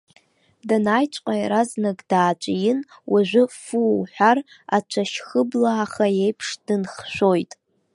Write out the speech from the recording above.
Данааиҵәҟьа иаразнак дааҵәиин, уажәы, ффу уҳәар, ацәашьхыблааха еиԥш дынхшәоит.